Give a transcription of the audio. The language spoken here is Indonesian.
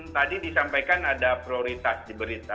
tadi disampaikan ada prioritas